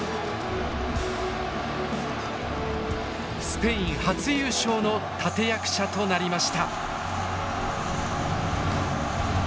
スペイン初優勝の立て役者となりました。